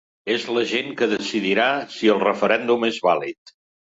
És la gent que decidirà si el referèndum és vàlid.